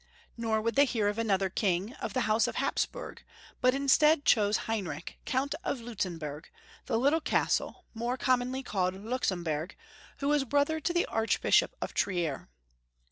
Nor would they hear of another king of the house of Hapsburg, but chose instead Heinrich, Count of Liitzenburg, the little castle, more com monly called Luxemburg, who was brother to the Archbishop of Trier.